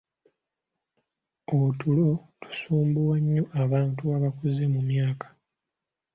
Otulo tusumbuwa nnyo abantu abakuze mu myaka.